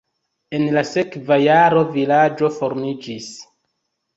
En la sekva jaro vilaĝo formiĝis.